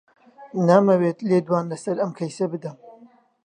نامەوێت لێدوان لەسەر ئەم کەیسە بدەم.